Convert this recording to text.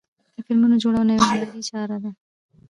د فلمونو جوړونه یوه هنري چاره ده.